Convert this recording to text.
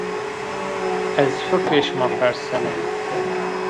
Ez fikrê şima persena